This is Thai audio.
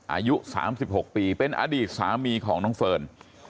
อายุ๓๖ปีเป็นอดีตสามีของน้องเฟิร์น